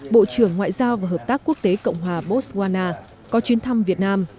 bộ trưởng ngoại giao và hợp tác quốc tế cộng hòa botswana có chuyến thăm việt nam